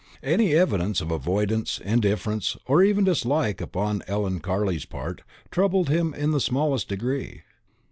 Any evidence of avoidance, indifference, or even dislike upon Ellen Carley's part, troubled him in the smallest degree.